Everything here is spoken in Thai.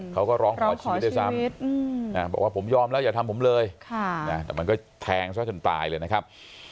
เขาก็ร้องขอชีวิตด้วยซ้ำบอกว่าผมยอมแล้วอย่าทำผมเลยแต่มันก็แทงซะจนตายเลยนะครับ